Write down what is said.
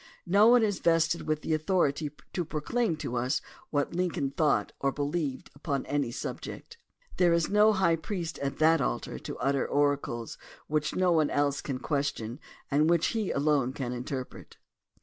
No one is vested with authority to proclaim to us what Lincoln thought or believed upon any subject. There is no high priest at that altar to utter oracles which no one else can question and which he alone can interpret.